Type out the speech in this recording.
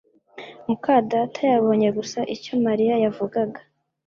muka data yabonye gusa icyo Mariya yavugaga